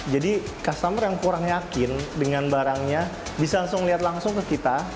jadi customer yang kurang yakin dengan barangnya bisa langsung melihat langsung ke kita